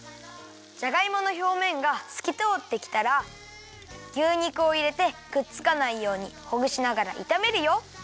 じゃがいものひょうめんがすきとおってきたら牛肉をいれてくっつかないようにほぐしながらいためるよ。